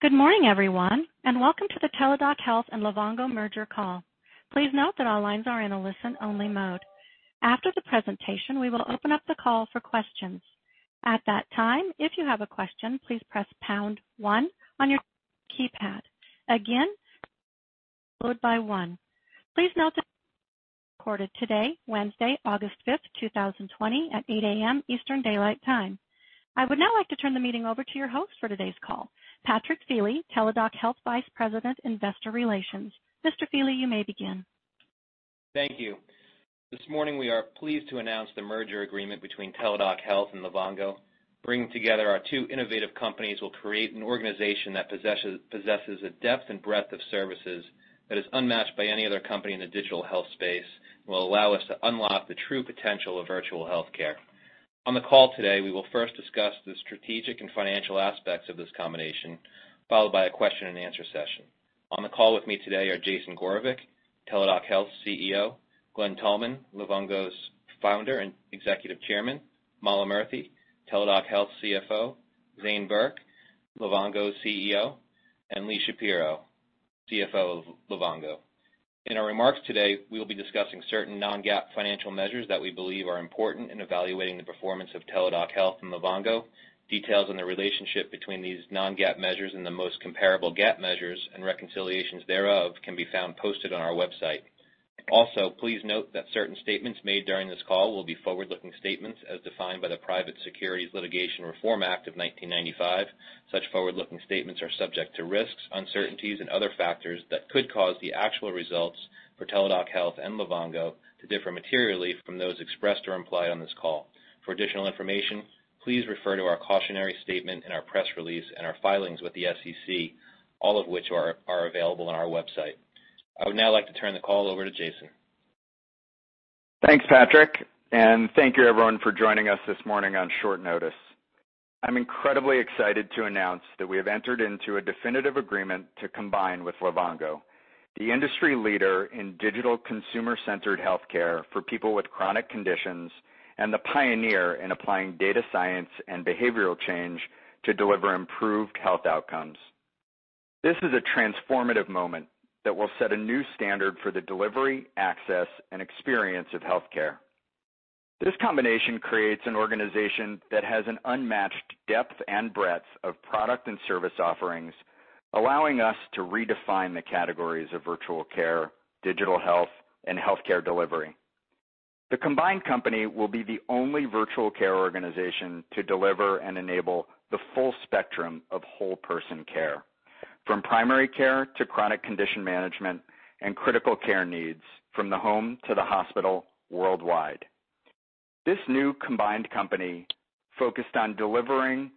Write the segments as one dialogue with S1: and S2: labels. S1: Good morning, everyone, and welcome to the Teladoc Health and Livongo Merger Call. Please note that all lines are in a listen-only mode. After the presentation, we will open up the call for questions. At that time, if you have a question, please press pound key on your keypad. Again, followed by one. Please note that this is recorded today, Wednesday, August fifth, 2020 at 8:00 A.M. Eastern Daylight Time. I would now like to turn the meeting over to your host for today's call, Patrick Feeley, Teladoc Health Vice President, Investor Relations. Mr. Feeley, you may begin.
S2: Thank you. This morning, we are pleased to announce the merger agreement between Teladoc Health and Livongo. Bringing together our two innovative companies will create an organization that possesses a depth and breadth of services that is unmatched by any other company in the digital health space, and will allow us to unlock the true potential of virtual healthcare. On the call today, we will first discuss the strategic and financial aspects of this combination, followed by a question and answer session. On the call with me today are Jason Gorevic, Teladoc Health's CEO, Glen Tullman, Livongo's Founder and Executive Chairman, Mala Murthy, Teladoc Health CFO, Zane Burke, Livongo's CEO, and Lee Shapiro, CFO of Livongo. In our remarks today, we will be discussing certain non-GAAP financial measures that we believe are important in evaluating the performance of Teladoc Health and Livongo. Details on the relationship between these non-GAAP measures and the most comparable GAAP measures and reconciliations thereof can be found posted on our website. Also, please note that certain statements made during this call will be forward-looking statements as defined by the Private Securities Litigation Reform Act of 1995. Such forward-looking statements are subject to risks, uncertainties, and other factors that could cause the actual results for Teladoc Health and Livongo to differ materially from those expressed or implied on this call. For additional information, please refer to our cautionary statement in our press release and our filings with the SEC, all of which are available on our website. I would now like to turn the call over to Jason.
S3: Thanks, Patrick, and thank you everyone for joining us this morning on short notice. I'm incredibly excited to announce that we have entered into a definitive agreement to combine with Livongo, the industry leader in digital consumer-centered healthcare for people with chronic conditions, and the pioneer in applying data science and behavioral change to deliver improved health outcomes. This is a transformative moment that will set a new standard for the delivery, access, and experience of healthcare. This combination creates an organization that has an unmatched depth and breadth of product and service offerings, allowing us to redefine the categories of virtual care, digital health, and healthcare delivery. The combined company will be the only virtual care organization to deliver and enable the full spectrum of whole person care, from primary care to chronic condition management and critical care needs from the home to the hospital worldwide. This new combined company, focused on delivering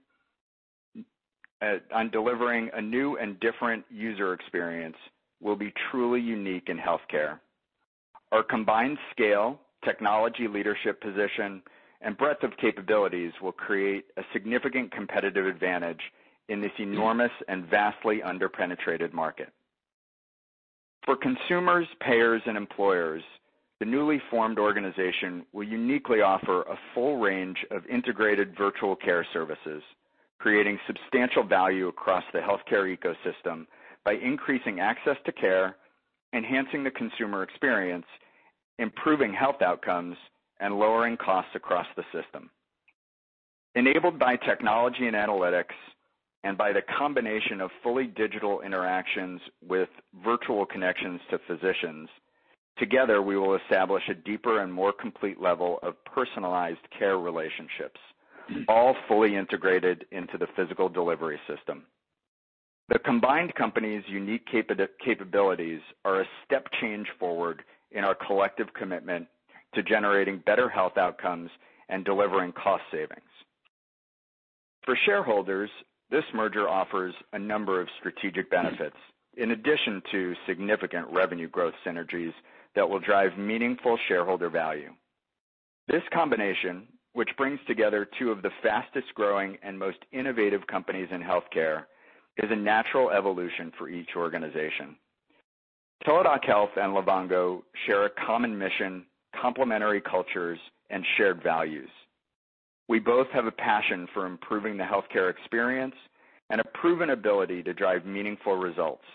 S3: a new and different user experience, will be truly unique in healthcare. Our combined scale, technology leadership position, and breadth of capabilities will create a significant competitive advantage in this enormous and vastly under-penetrated market. For consumers, payers, and employers, the newly formed organization will uniquely offer a full range of integrated virtual care services, creating substantial value across the healthcare ecosystem by increasing access to care, enhancing the consumer experience, improving health outcomes, and lowering costs across the system. Enabled by technology and analytics, and by the combination of fully digital interactions with virtual connections to physicians, together, we will establish a deeper and more complete level of personalized care relationships, all fully integrated into the physical delivery system. The combined company's unique capabilities are a step change forward in our collective commitment to generating better health outcomes and delivering cost savings. For shareholders, this merger offers a number of strategic benefits in addition to significant revenue growth synergies that will drive meaningful shareholder value. This combination, which brings together two of the fastest-growing and most innovative companies in healthcare, is a natural evolution for each organization. Teladoc Health and Livongo share a common mission, complementary cultures, and shared values. We both have a passion for improving the healthcare experience and a proven ability to drive meaningful results.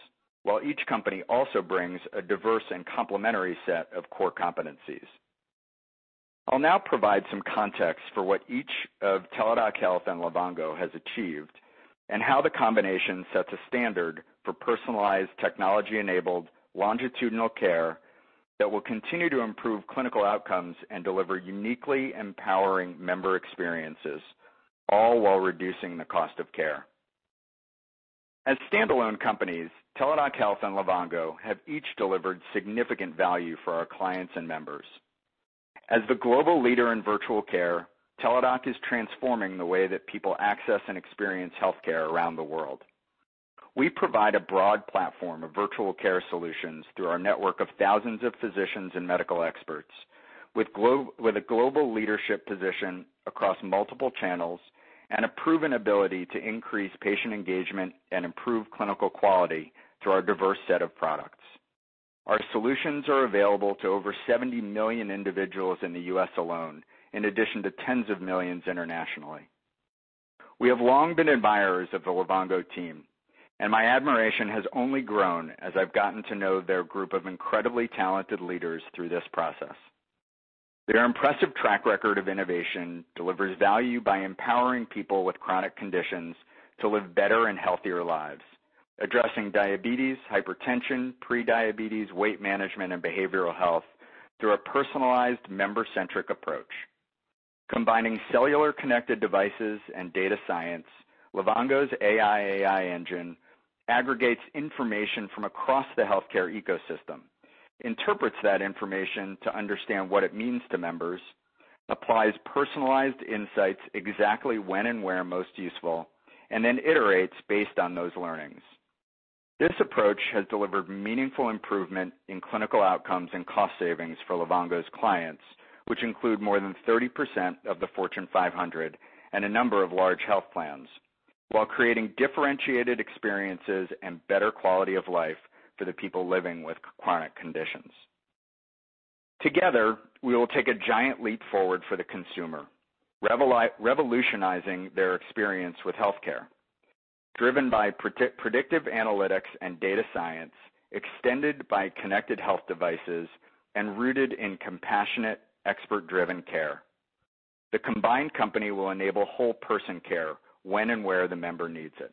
S3: While each company also brings a diverse and complementary set of core competencies. I'll now provide some context for what each of Teladoc Health and Livongo has achieved, and how the combination sets a standard for personalized, technology-enabled, longitudinal care that will continue to improve clinical outcomes and deliver uniquely empowering member experiences, all while reducing the cost of care. As standalone companies, Teladoc Health and Livongo have each delivered significant value for our clients and members. As the global leader in virtual care, Teladoc is transforming the way that people access and experience healthcare around the world. We provide a broad platform of virtual care solutions through our network of thousands of physicians and medical experts with a global leadership position across multiple channels and a proven ability to increase patient engagement and improve clinical quality through our diverse set of products. Our solutions are available to over 70 million individuals in the U.S. alone, in addition to tens of millions internationally. We have long been admirers of the Livongo team, and my admiration has only grown as I've gotten to know their group of incredibly talented leaders through this process. Their impressive track record of innovation delivers value by empowering people with chronic conditions to live better and healthier lives, addressing diabetes, hypertension, pre-diabetes, weight management, and behavioral health through a personalized member-centric approach. Combining cellular connected devices and data science, Livongo's AI engine aggregates information from across the healthcare ecosystem, interprets that information to understand what it means to members, applies personalized insights exactly when and where most useful, and then iterates based on those learnings. This approach has delivered meaningful improvement in clinical outcomes and cost savings for Livongo's clients, which include more than 30% of the Fortune 500 and a number of large health plans, while creating differentiated experiences and better quality of life for the people living with chronic conditions. Together, we will take a giant leap forward for the consumer, revolutionizing their experience with healthcare. Driven by predictive analytics and data science, extended by connected health devices, and rooted in compassionate, expert-driven care. The combined company will enable whole person care when and where the member needs it.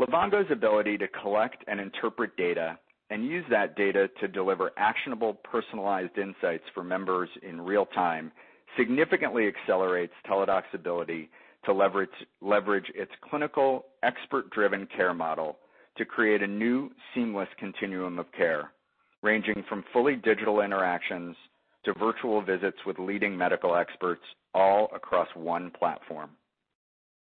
S3: Livongo's ability to collect and interpret data and use that data to deliver actionable, personalized insights for members in real-time, significantly accelerates Teladoc's ability to leverage its clinical expert-driven care model to create a new, seamless continuum of care, ranging from fully digital interactions to virtual visits with leading medical experts all across one platform.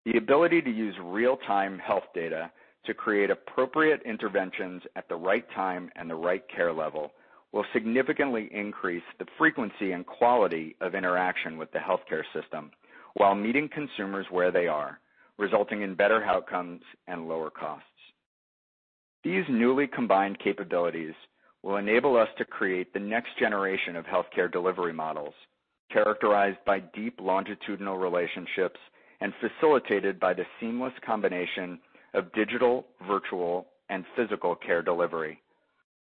S3: The ability to use real-time health data to create appropriate interventions at the right time and the right care level will significantly increase the frequency and quality of interaction with the healthcare system while meeting consumers where they are, resulting in better outcomes and lower costs. These newly combined capabilities will enable us to create the next generation of healthcare delivery models, characterized by deep longitudinal relationships and facilitated by the seamless combination of digital, virtual, and physical care delivery.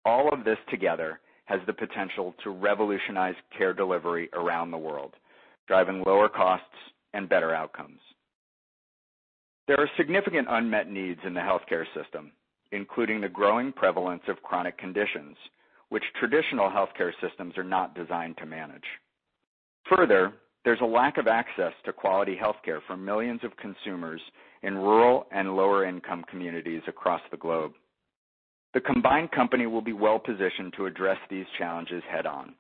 S3: All of this together has the potential to revolutionize care delivery around the world, driving lower costs and better outcomes. There are significant unmet needs in the healthcare system, including the growing prevalence of chronic conditions, which traditional healthcare systems are not designed to manage. Further, there's a lack of access to quality healthcare for millions of consumers in rural and lower income communities across the globe. The combined company will be well-positioned to address these challenges head-on.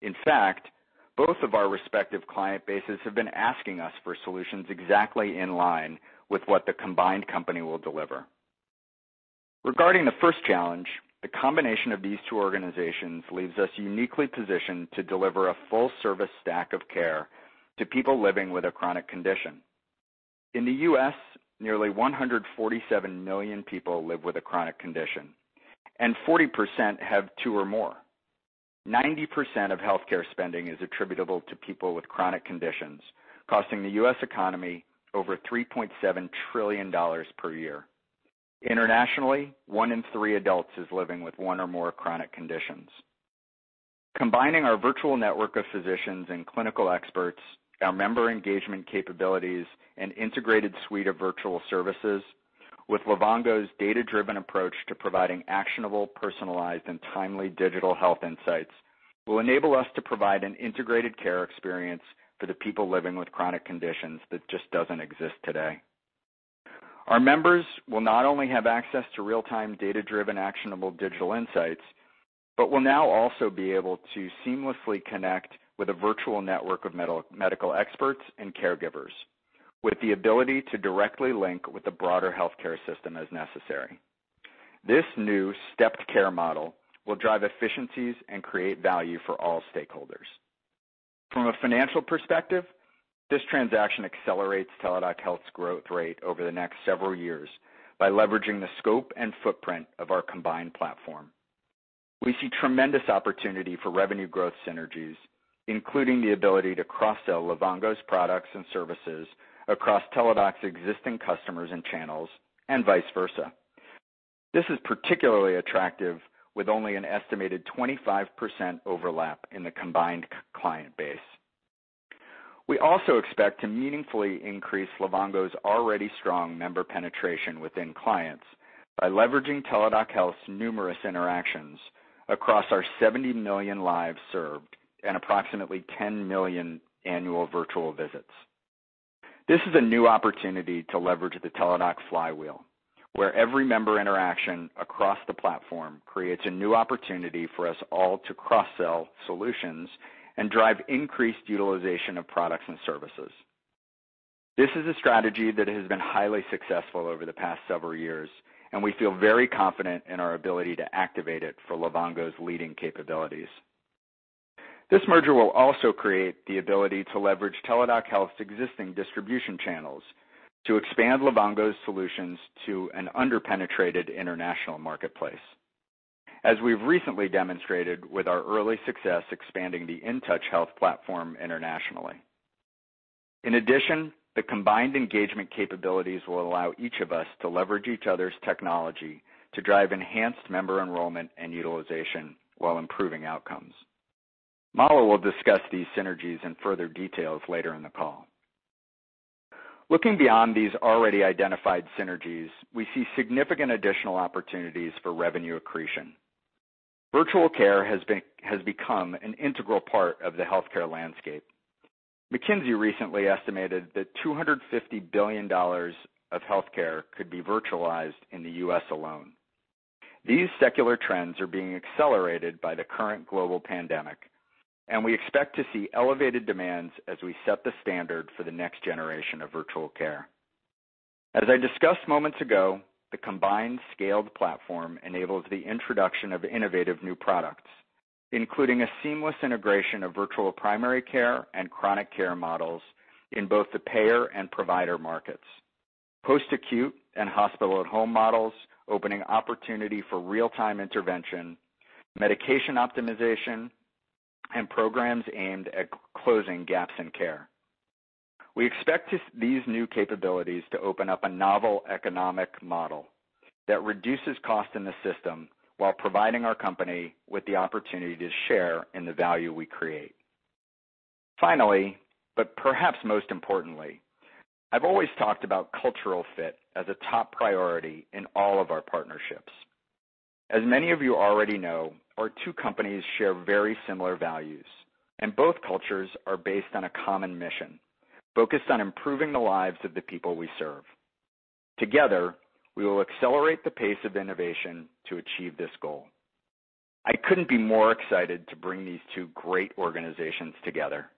S3: In fact, both of our respective client bases have been asking us for solutions exactly in line with what the combined company will deliver. Regarding the first challenge, the combination of these two organizations leaves us uniquely positioned to deliver a full service stack of care to people living with a chronic condition. In the U.S., nearly 147 million people live with a chronic condition, and 40% have two or more. 90% of healthcare spending is attributable to people with chronic conditions, costing the U.S. economy over $3.7 trillion per year. Internationally, one in three adults is living with one or more chronic conditions. Combining our virtual network of physicians and clinical experts, our member engagement capabilities, and integrated suite of virtual services with Livongo's data-driven approach to providing actionable, personalized, and timely digital health insights will enable us to provide an integrated care experience for the people living with chronic conditions that just doesn't exist today. Our members will not only have access to real-time data-driven, actionable digital insights, but will now also be able to seamlessly connect with a virtual network of medical experts and caregivers with the ability to directly link with the broader healthcare system as necessary. This new stepped care model will drive efficiencies and create value for all stakeholders. From a financial perspective, this transaction accelerates Teladoc Health's growth rate over the next several years by leveraging the scope and footprint of our combined platform. We see tremendous opportunity for revenue growth synergies, including the ability to cross-sell Livongo's products and services across Teladoc's existing customers and channels, and vice versa. This is particularly attractive with only an estimated 25% overlap in the combined client base. We also expect to meaningfully increase Livongo's already strong member penetration within clients by leveraging Teladoc Health's numerous interactions across our 70 million lives served and approximately 10 million annual virtual visits. This is a new opportunity to leverage the Teladoc flywheel, where every member interaction across the platform creates a new opportunity for us all to cross-sell solutions and drive increased utilization of products and services. This is a strategy that has been highly successful over the past several years. We feel very confident in our ability to activate it for Livongo's leading capabilities. This merger will also create the ability to leverage Teladoc Health's existing distribution channels to expand Livongo's solutions to an under-penetrated international marketplace, as we've recently demonstrated with our early success expanding the InTouch Health platform internationally. In addition, the combined engagement capabilities will allow each of us to leverage each other's technology to drive enhanced member enrollment and utilization while improving outcomes. Mala will discuss these synergies in further details later in the call. Looking beyond these already identified synergies, we see significant additional opportunities for revenue accretion. Virtual care has become an integral part of the healthcare landscape. McKinsey recently estimated that $250 billion of healthcare could be virtualized in the U.S. alone. These secular trends are being accelerated by the current global pandemic. We expect to see elevated demands as we set the standard for the next generation of virtual care. As I discussed moments ago, the combined scaled platform enables the introduction of innovative new products, including a seamless integration of virtual primary care and chronic care models in both the payer and provider markets, post-acute and hospital-at-home models, opening opportunity for real-time intervention, medication optimization, and programs aimed at closing gaps in care. We expect these new capabilities to open up a novel economic model that reduces cost in the system while providing our company with the opportunity to share in the value we create. Finally, but perhaps most importantly, I've always talked about cultural fit as a top priority in all of our partnerships. As many of you already know, our two companies share very similar values, and both cultures are based on a common mission: focused on improving the lives of the people we serve. Together, we will accelerate the pace of innovation to achieve this goal. I couldn't be more excited to bring these two great organizations together.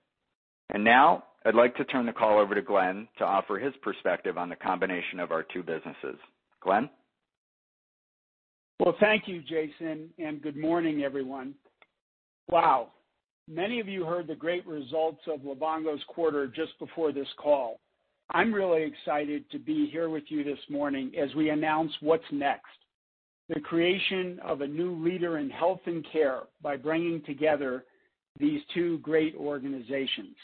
S3: Now, I'd like to turn the call over to Glen to offer his perspective on the combination of our two businesses. Glen?
S4: Well, thank you, Jason, and good morning, everyone. Wow. Many of you heard the great results of Livongo's quarter just before this call. I'm really excited to be here with you this morning as we announce what's next: the creation of a new leader in health and care by bringing together these two great organizations.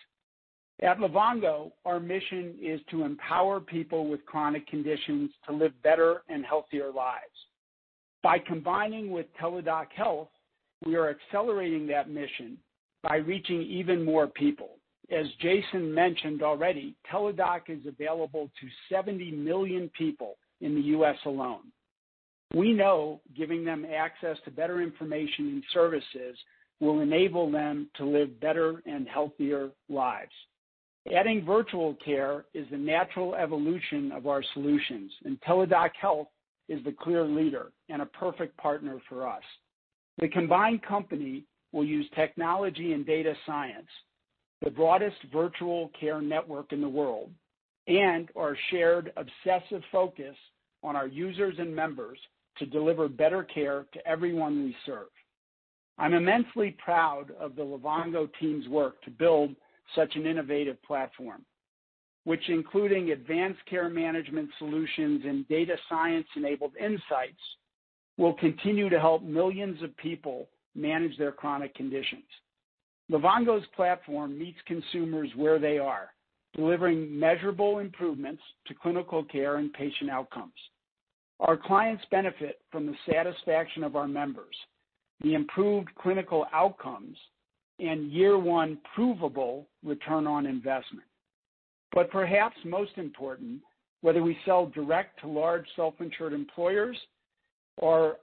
S4: At Livongo, our mission is to empower people with chronic conditions to live better and healthier lives. By combining with Teladoc Health, we are accelerating that mission by reaching even more people. As Jason mentioned already, Teladoc is available to 70 million people in the U.S. alone. We know giving them access to better information and services will enable them to live better and healthier lives. Adding virtual care is the natural evolution of our solutions, and Teladoc Health is the clear leader and a perfect partner for us. The combined company will use technology and data science, the broadest virtual care network in the world, and our shared obsessive focus on our users and members to deliver better care to everyone we serve. I'm immensely proud of the Livongo team's work to build such an innovative platform, which including advanced care management solutions and data science-enabled insights, will continue to help millions of people manage their chronic conditions. Livongo's platform meets consumers where they are, delivering measurable improvements to clinical care and patient outcomes. Our clients benefit from the satisfaction of our members, the improved clinical outcomes, and year one provable return on investment. Perhaps most important, whether we sell direct to large self-insured employers or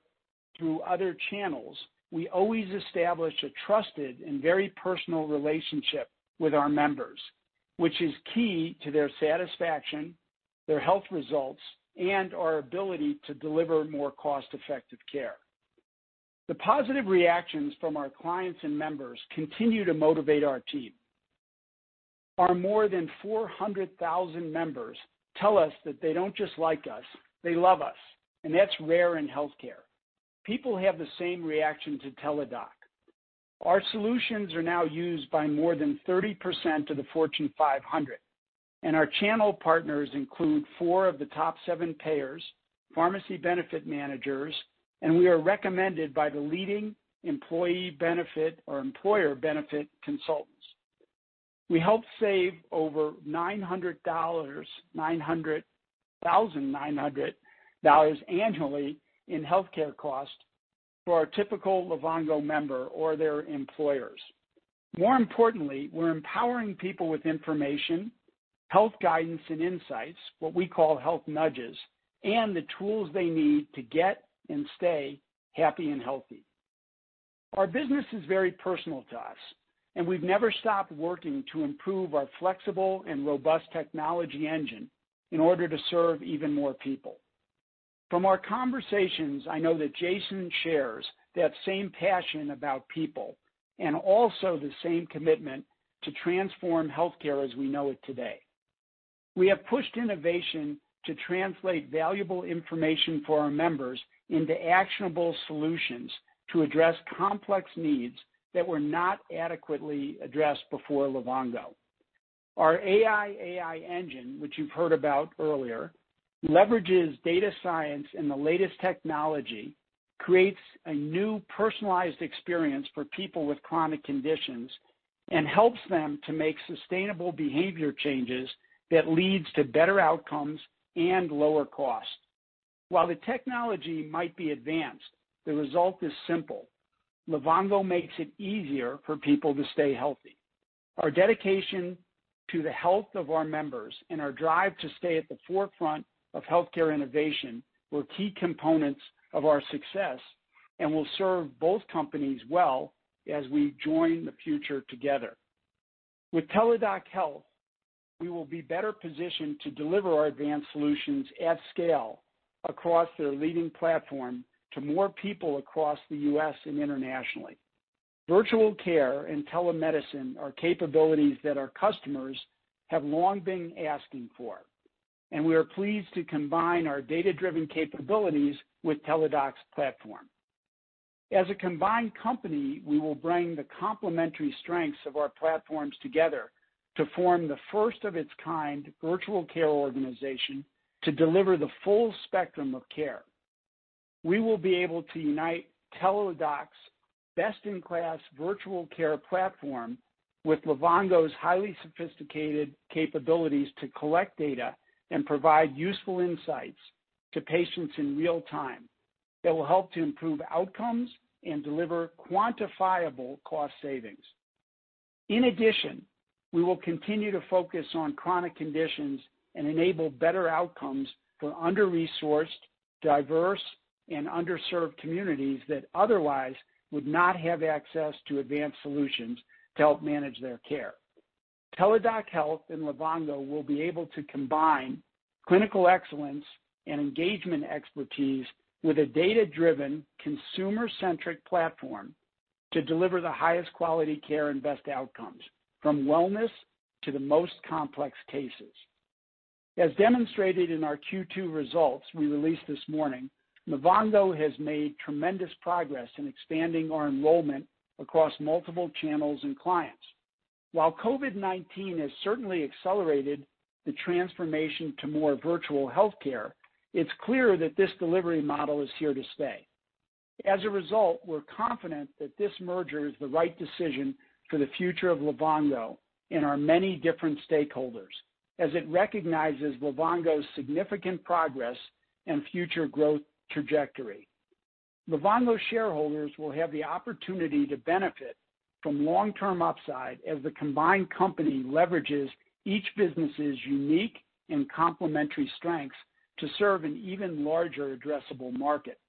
S4: through other channels, we always establish a trusted and very personal relationship with our members, which is key to their satisfaction, their health results, and our ability to deliver more cost-effective care. The positive reactions from our clients and members continue to motivate our team. Our more than 400,000 members tell us that they don't just like us, they love us, and that's rare in healthcare. People have the same reaction to Teladoc. Our solutions are now used by more than 30% of the Fortune 500, and our channel partners include four of the top seven payers, pharmacy benefit managers, and we are recommended by the leading employee benefit or employer benefit consultants. We help save over $900,900 annually in healthcare cost for our typical Livongo member or their employers. More importantly, we're empowering people with information, health guidance and insights, what we call health nudges, and the tools they need to get and stay happy and healthy. Our business is very personal to us, and we've never stopped working to improve our flexible and robust technology engine in order to serve even more people. From our conversations, I know that Jason shares that same passion about people and also the same commitment to transform healthcare as we know it today. We have pushed innovation to translate valuable information for our members into actionable solutions to address complex needs that were not adequately addressed before Livongo. Our AI engine, which you've heard about earlier, leverages data science and the latest technology, creates a new personalized experience for people with chronic conditions, and helps them to make sustainable behavior changes that leads to better outcomes and lower costs. While the technology might be advanced, the result is simple. Livongo makes it easier for people to stay healthy. Our dedication to the health of our members and our drive to stay at the forefront of healthcare innovation were key components of our success and will serve both companies well as we join the future together. With Teladoc Health, we will be better positioned to deliver our advanced solutions at scale across their leading platform to more people across the U.S. and internationally. Virtual care and telemedicine are capabilities that our customers have long been asking for, and we are pleased to combine our data-driven capabilities with Teladoc's platform. As a combined company, we will bring the complementary strengths of our platforms together to form the first of its kind virtual care organization to deliver the full spectrum of care. We will be able to unite Teladoc's best-in-class virtual care platform with Livongo's highly sophisticated capabilities to collect data and provide useful insights to patients in real time that will help to improve outcomes and deliver quantifiable cost savings. We will continue to focus on chronic conditions and enable better outcomes for under-resourced, diverse, and underserved communities that otherwise would not have access to advanced solutions to help manage their care. Teladoc Health and Livongo will be able to combine clinical excellence and engagement expertise with a data-driven, consumer-centric platform to deliver the highest quality care and best outcomes, from wellness to the most complex cases. As demonstrated in our Q2 results we released this morning, Livongo has made tremendous progress in expanding our enrollment across multiple channels and clients. While COVID-19 has certainly accelerated the transformation to more virtual healthcare, it's clear that this delivery model is here to stay. As a result, we're confident that this merger is the right decision for the future of Livongo and our many different stakeholders, as it recognizes Livongo's significant progress and future growth trajectory. Livongo shareholders will have the opportunity to benefit from long-term upside as the combined company leverages each business's unique and complementary strengths to serve an even larger addressable market.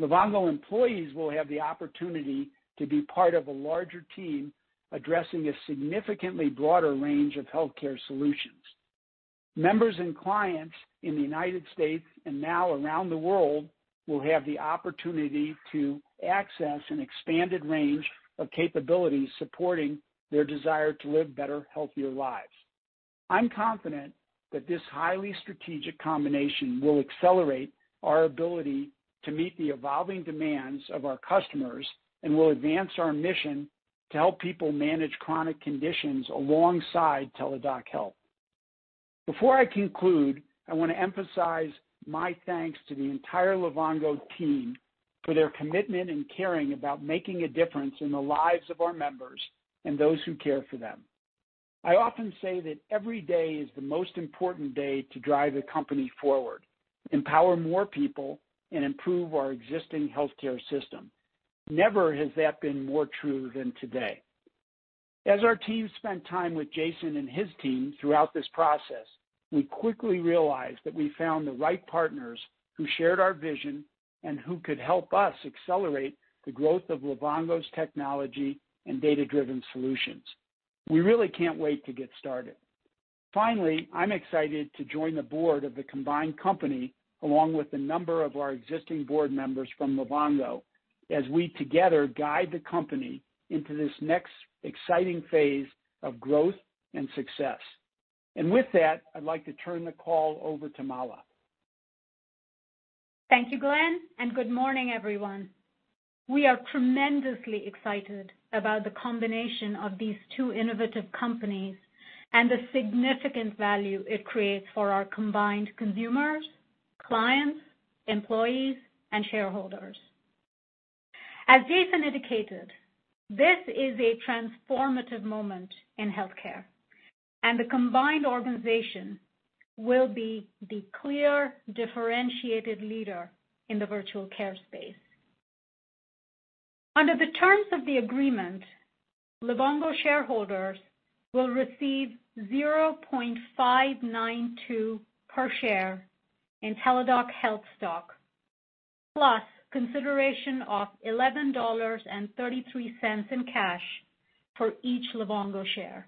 S4: Livongo employees will have the opportunity to be part of a larger team addressing a significantly broader range of healthcare solutions. Members and clients in the United States, and now around the world, will have the opportunity to access an expanded range of capabilities supporting their desire to live better, healthier lives. I'm confident that this highly strategic combination will accelerate our ability to meet the evolving demands of our customers and will advance our mission to help people manage chronic conditions alongside Teladoc Health. Before I conclude, I want to emphasize my thanks to the entire Livongo team for their commitment and caring about making a difference in the lives of our members and those who care for them. I often say that every day is the most important day to drive the company forward, empower more people, and improve our existing healthcare system. Never has that been more true than today. As our team spent time with Jason and his team throughout this process, we quickly realized that we found the right partners who shared our vision and who could help us accelerate the growth of Livongo's technology and data-driven solutions. We really can't wait to get started. Finally, I'm excited to join the board of the combined company, along with a number of our existing board members from Livongo as we together guide the company into this next exciting phase of growth and success. With that, I'd like to turn the call over to Mala.
S5: Thank you, Glen, and good morning, everyone. We are tremendously excited about the combination of these two innovative companies and the significant value it creates for our combined consumers, clients, employees, and shareholders. As Jason indicated, this is a transformative moment in healthcare, and the combined organization will be the clear differentiated leader in the virtual care space. Under the terms of the agreement, Livongo shareholders will receive 0.592 per share in Teladoc Health stock, plus consideration of $11.33 in cash for each Livongo share.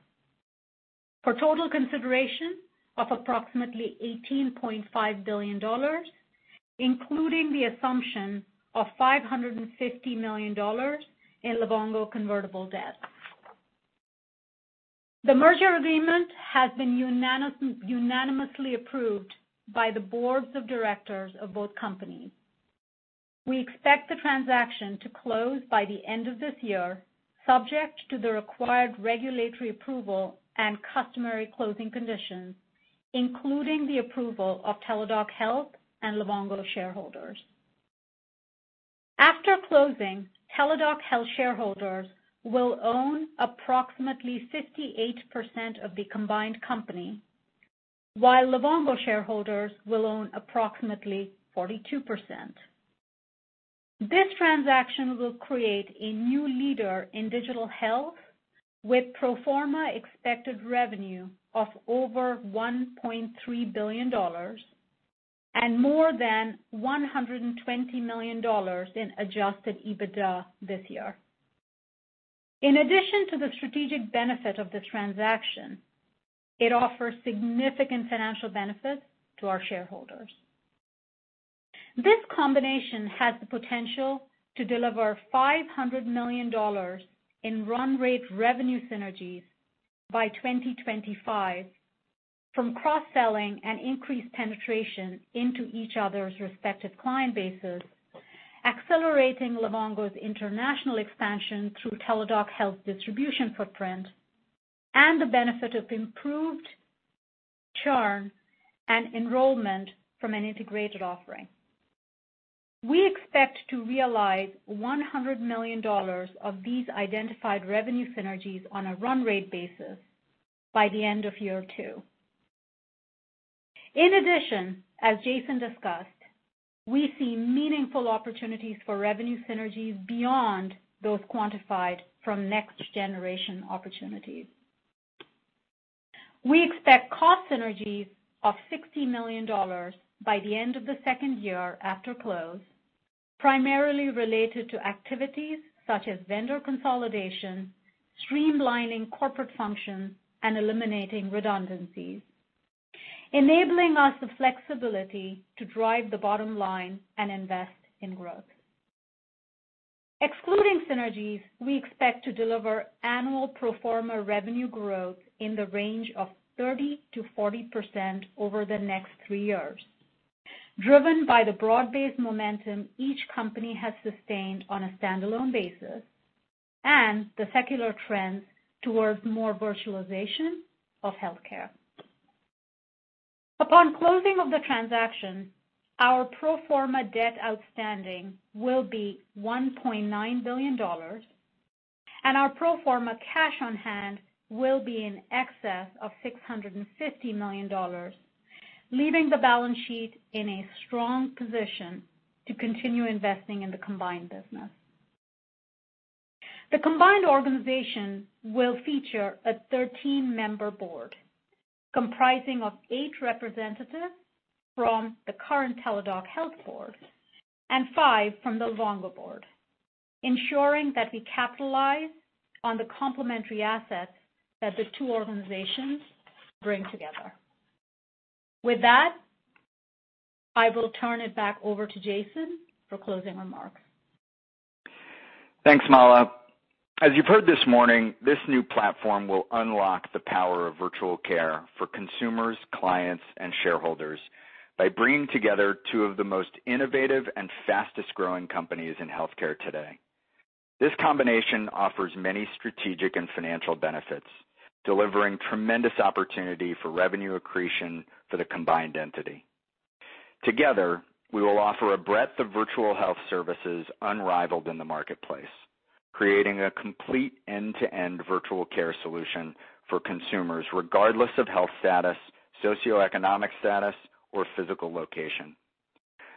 S5: For total consideration of approximately $18.5 billion, including the assumption of $550 million in Livongo convertible debt. The merger agreement has been unanimously approved by the boards of directors of both companies. We expect the transaction to close by the end of this year, subject to the required regulatory approval and customary closing conditions, including the approval of Teladoc Health and Livongo shareholders. After closing, Teladoc Health shareholders will own approximately 58% of the combined company, while Livongo shareholders will own approximately 42%. This transaction will create a new leader in digital health, with pro forma expected revenue of over $1.3 billion and more than $120 million in adjusted EBITDA this year. In addition to the strategic benefit of this transaction, it offers significant financial benefits to our shareholders. This combination has the potential to deliver $500 million in run rate revenue synergies by 2025 from cross-selling and increased penetration into each other's respective client bases, accelerating Livongo's international expansion through Teladoc Health's distribution footprint, and the benefit of improved churn and enrollment from an integrated offering. We expect to realize $100 million of these identified revenue synergies on a run rate basis by the end of year two. In addition, as Jason discussed, we see meaningful opportunities for revenue synergies beyond those quantified from next-generation opportunities. We expect cost synergies of $60 million by the end of the second year after close, primarily related to activities such as vendor consolidation, streamlining corporate functions, and eliminating redundancies, enabling us the flexibility to drive the bottom line and invest in growth. Excluding synergies, we expect to deliver annual pro forma revenue growth in the range of 30%-40% over the next three years, driven by the broad-based momentum each company has sustained on a standalone basis and the secular trends towards more virtualization of healthcare. Upon closing of the transaction, our pro forma debt outstanding will be $1.9 billion, and our pro forma cash on hand will be in excess of $650 million, leaving the balance sheet in a strong position to continue investing in the combined business. The combined organization will feature a 13-member board, comprising of eight representatives from the current Teladoc Health board and five from the Livongo board, ensuring that we capitalize on the complementary assets that the two organizations bring together. With that, I will turn it back over to Jason for closing remarks.
S3: Thanks, Mala. As you've heard this morning, this new platform will unlock the power of virtual care for consumers, clients, and shareholders by bringing together two of the most innovative and fastest-growing companies in healthcare today. This combination offers many strategic and financial benefits, delivering tremendous opportunity for revenue accretion for the combined entity. Together, we will offer a breadth of virtual health services unrivaled in the marketplace, creating a complete end-to-end virtual care solution for consumers, regardless of health status, socioeconomic status, or physical location.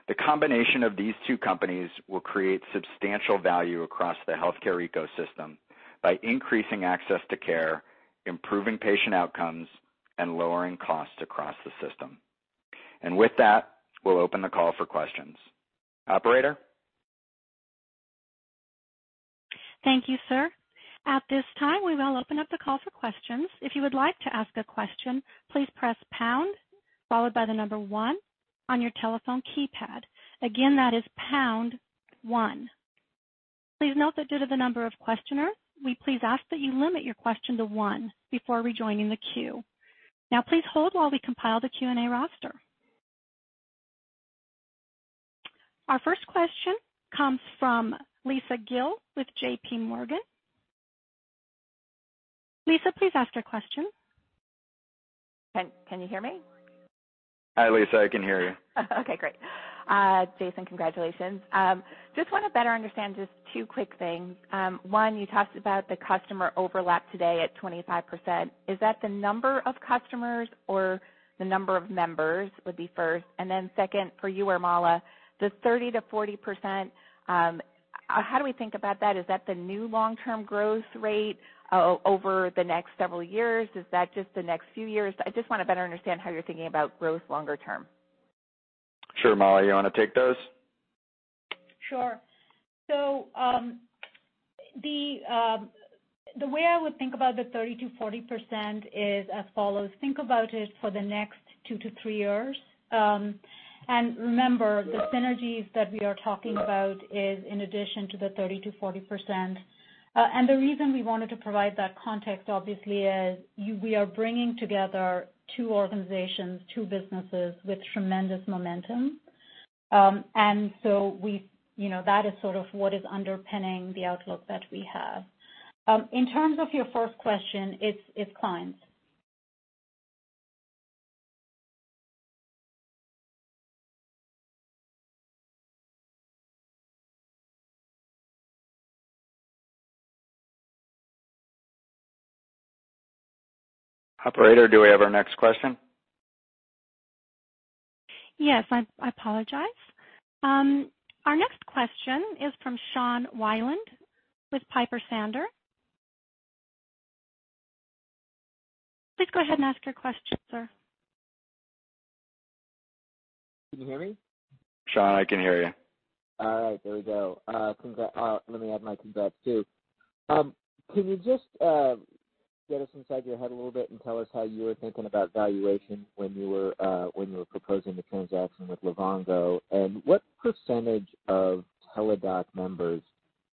S3: The combination of these two companies will create substantial value across the healthcare ecosystem by increasing access to care, improving patient outcomes, and lowering costs across the system. With that, we'll open the call for questions. Operator?
S1: Thank you, sir. At this time, we will open up the call for questions. If you would like to ask a question, please press pound followed by the number one on your telephone keypad. Again, that is pound one. Please note that due to the number of questioners, we please ask that you limit your question to one before rejoining the queue. Now please hold while we compile the Q&A roster. Our first question comes from Lisa Gill with JPMorgan. Lisa, please ask your question.
S6: Can you hear me?
S3: Hi, Lisa. I can hear you.
S6: Okay, great. Jason, congratulations. Just want to better understand just two quick things. One, you talked about the customer overlap today at 25%. Is that the number of customers or the number of members, would be first? Then second, for you or Mala, the 30%-40%, how do we think about that? Is that the new long-term growth rate over the next several years? Is that just the next few years? I just want to better understand how you're thinking about growth longer term.
S3: Sure. Mala, you want to take those?
S5: Sure. The way I would think about the 30%-40% is as follows, think about it for the next two to three years. Remember, the synergies that we are talking about is in addition to the 30%-40%. The reason we wanted to provide that context obviously is, we are bringing together two organizations, two businesses with tremendous momentum. That is sort of what is underpinning the outlook that we have. In terms of your first question, it's clients.
S3: Operator, do we have our next question?
S1: Yes, I apologize. Our next question is from Sean Wieland with Piper Sandler. Please go ahead and ask your question, sir.
S7: Can you hear me?
S3: Sean, I can hear you.
S7: All right, there we go. Let me add my congrats, too. Can you just get us inside your head a little bit and tell us how you were thinking about valuation when you were proposing the transaction with Livongo, and what percentage of Teladoc members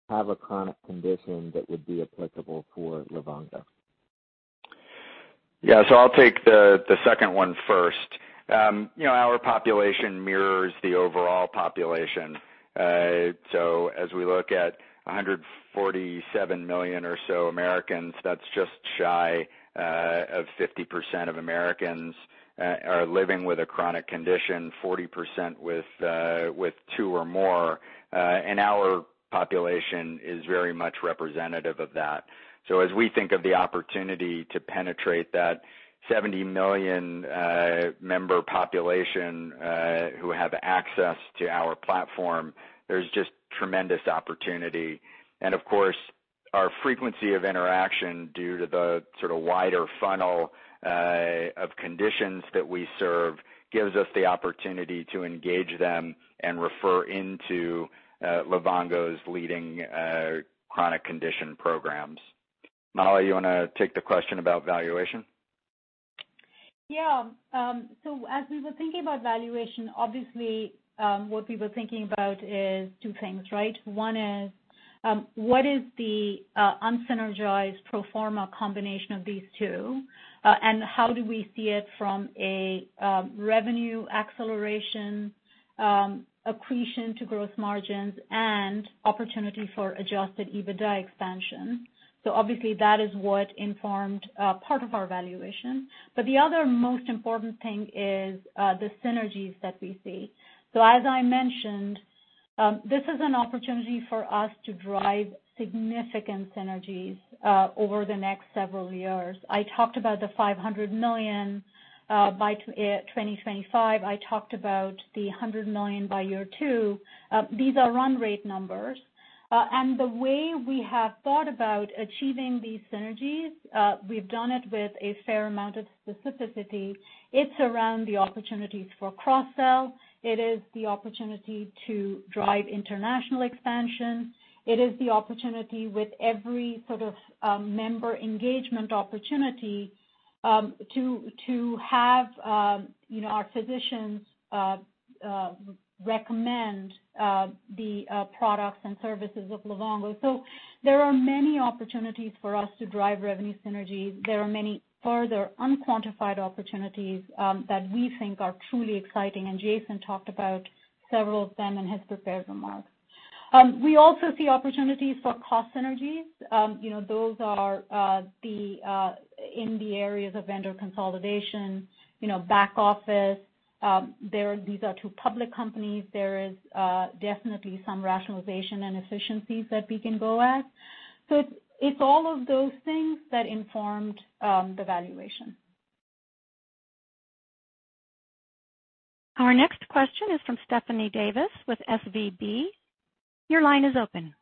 S7: have a chronic condition that would be applicable for Livongo?
S3: Yeah. I'll take the second one first. Our population mirrors the overall population. As we look at 147 million or so Americans, that's just shy of 50% of Americans are living with a chronic condition, 40% with two or more. Our population is very much representative of that. As we think of the opportunity to penetrate that 70 million member population, who have access to our platform, there's just tremendous opportunity. Of course, our frequency of interaction, due to the sort of wider funnel of conditions that we serve, gives us the opportunity to engage them and refer into Livongo's leading chronic condition programs. Mala, you wanna take the question about valuation?
S5: Yeah. As we were thinking about valuation, obviously, what we were thinking about is two things, right? One is, what is the unsynergized pro forma combination of these two, and how do we see it from a revenue acceleration, accretion to growth margins, and opportunity for adjusted EBITDA expansion. Obviously that is what informed part of our valuation. The other most important thing is the synergies that we see. As I mentioned, this is an opportunity for us to drive significant synergies over the next several years. I talked about the $500 million by 2025. I talked about the $100 million by year two. These are run rate numbers. The way we have thought about achieving these synergies, we've done it with a fair amount of specificity. It's around the opportunities for cross-sell. It is the opportunity to drive international expansion. It is the opportunity with every sort of member engagement opportunity, to have our physicians recommend the products and services of Livongo. There are many opportunities for us to drive revenue synergies. There are many further unquantified opportunities that we think are truly exciting, and Jason talked about several of them in his prepared remarks. We also see opportunities for cost synergies. Those are in the areas of vendor consolidation, back office. These are two public companies. There is definitely some rationalization and efficiencies that we can go at. It's all of those things that informed the valuation.
S1: Our next question is from Stephanie Davis with SVB. Your line is open.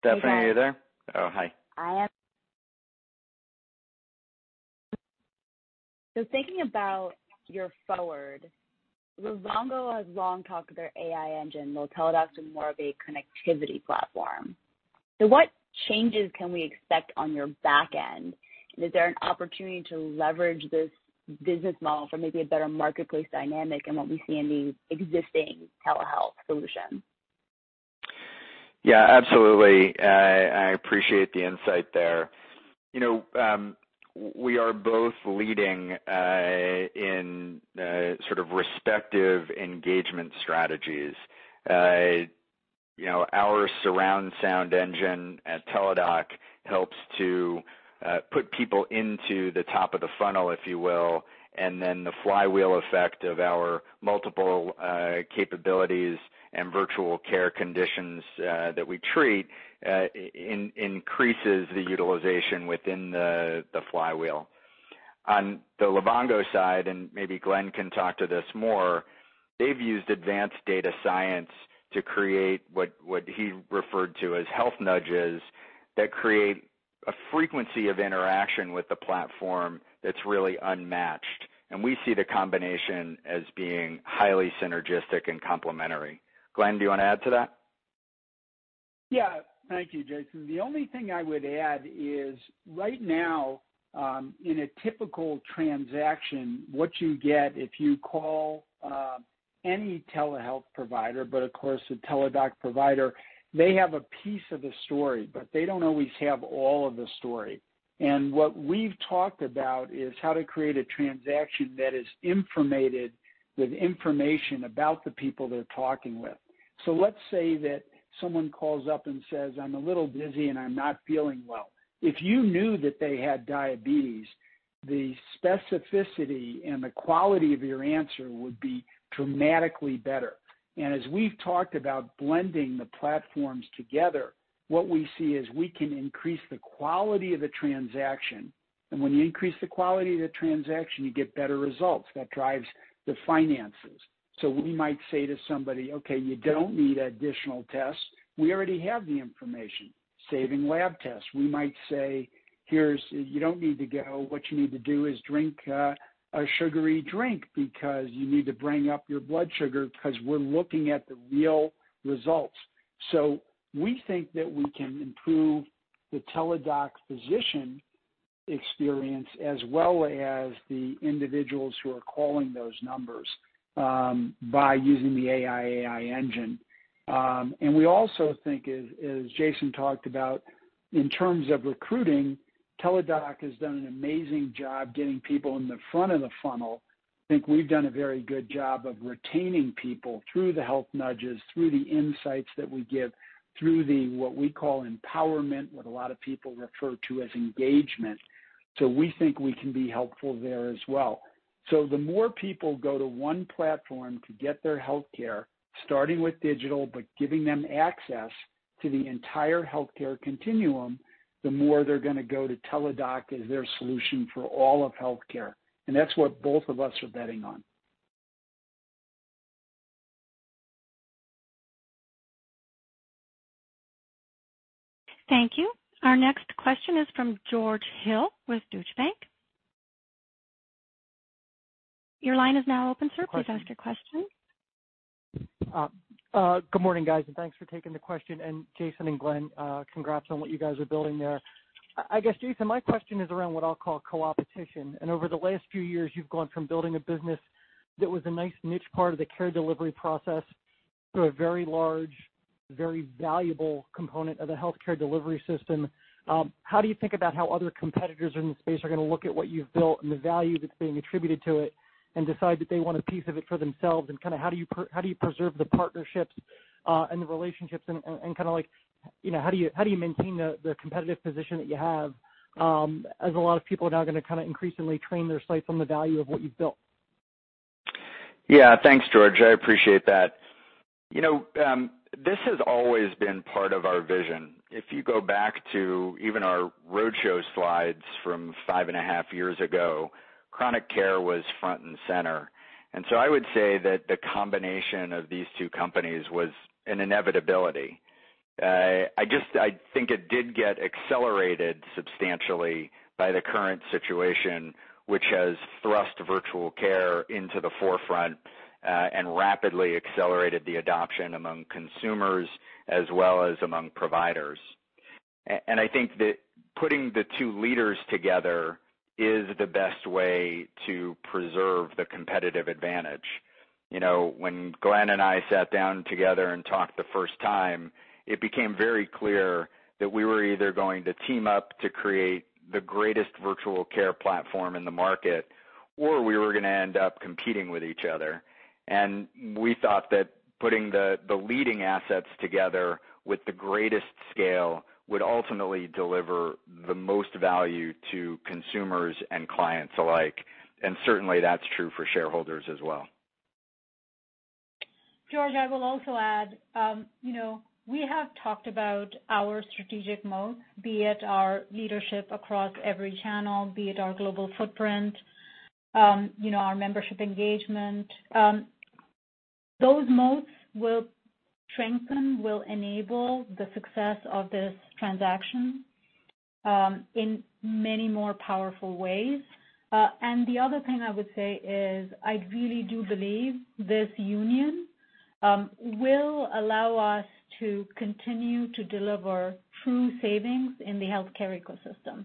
S3: Stephanie, are you there? Oh, hi.
S8: I am. Thinking about your forward, Livongo has long talked of their AI engine, while Teladoc's been more of a connectivity platform. What changes can we expect on your back end? Is there an opportunity to leverage this business model for maybe a better marketplace dynamic in what we see in the existing telehealth solution?
S3: Yeah, absolutely. I appreciate the insight there. We are both leading in sort of respective engagement strategies. Our surround sound engine at Teladoc helps to put people into the top of the funnel, if you will, and then the flywheel effect of our multiple capabilities and virtual care conditions that we treat, increases the utilization within the flywheel. On the Livongo side, and maybe Glen can talk to this more, they've used advanced data science to create what he referred to as health nudges that create a frequency of interaction with the platform that's really unmatched, and we see the combination as being highly synergistic and complementary. Glen, do you want to add to that?
S4: Yeah. Thank you, Jason. The only thing I would add is right now, in a typical transaction, what you get if you call any telehealth provider, but of course, a Teladoc provider, they have a piece of the story, but they don't always have all of the story. What we've talked about is how to create a transaction that is informed with information about the people they're talking with. Let's say that someone calls up and says, "I'm a little dizzy and I'm not feeling well." If you knew that they had diabetes, the specificity and the quality of your answer would be dramatically better. As we've talked about blending the platforms together, what we see is we can increase the quality of the transaction, and when you increase the quality of the transaction, you get better results. That drives the finances. We might say to somebody, "Okay, you don't need additional tests. We already have the information," saving lab tests. We might say, "You don't need to go. What you need to do is drink a sugary drink because you need to bring up your blood sugar," because we're looking at the real results. We think that we can improve the Teladoc physician experience as well as the individuals who are calling those numbers, by using the AI engine. We also think, as Jason talked about, in terms of recruiting, Teladoc has done an amazing job getting people in the front of the funnel. I think we've done a very good job of retaining people through the health nudges, through the insights that we give, through the, what we call empowerment, what a lot of people refer to as engagement. We think we can be helpful there as well. The more people go to one platform to get their healthcare, starting with digital, but giving them access to the entire healthcare continuum, the more they're going to go to Teladoc as their solution for all of healthcare. That's what both of us are betting on.
S1: Thank you. Our next question is from George Hill with Deutsche Bank. Your line is now open, sir. Please ask your question.
S9: Good morning, guys. Thanks for taking the question. Jason and Glen, congrats on what you guys are building there. I guess, Jason, my question is around what I'll call co-opetition. Over the last few years, you've gone from building a business that was a nice niche part of the care delivery process to a very large, very valuable component of the healthcare delivery system. How do you think about how other competitors in the space are going to look at what you've built and the value that's being attributed to it and decide that they want a piece of it for themselves? How do you preserve the partnerships, and the relationships, and how do you maintain the competitive position that you have, as a lot of people are now going to increasingly train their sights on the value of what you've built?
S3: Yeah. Thanks, George. I appreciate that. This has always been part of our vision. If you go back to even our roadshow slides from five and a half years ago, chronic care was front and center. I would say that the combination of these two companies was an inevitability. I think it did get accelerated substantially by the current situation, which has thrust virtual care into the forefront, and rapidly accelerated the adoption among consumers as well as among providers. I think that putting the two leaders together is the best way to preserve the competitive advantage. When Glen and I sat down together and talked the first time, it became very clear that we were either going to team up to create the greatest virtual care platform in the market, or we were going to end up competing with each other. We thought that putting the leading assets together with the greatest scale would ultimately deliver the most value to consumers and clients alike, and certainly that's true for shareholders as well.
S5: George, I will also add, we have talked about our strategic moats, be it our leadership across every channel, be it our global footprint, our membership engagement. Those moats will strengthen, will enable the success of this transaction, in many more powerful ways. The other thing I would say is I really do believe this union will allow us to continue to deliver true savings in the healthcare ecosystem.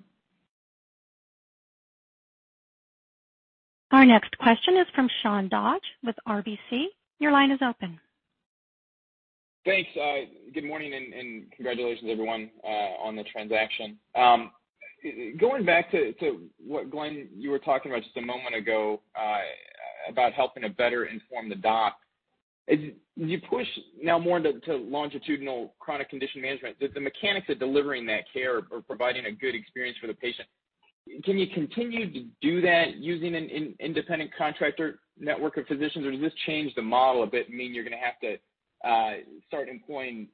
S1: Our next question is from Sean Dodge with RBC. Your line is open.
S10: Thanks. Good morning, and congratulations, everyone, on the transaction. Going back to what Glen, you were talking about just a moment ago, about helping to better inform the doc. As you push now more into longitudinal chronic condition management, the mechanics of delivering that care or providing a good experience for the patient, can you continue to do that using an independent contractor network of physicians, or does this change the model a bit and mean you're going to have to start employing